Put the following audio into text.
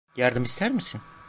Yardım ister misin?